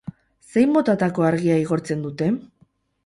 Zein motatako argia igortzen dute?